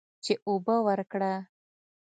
چې اوبه ورکړه.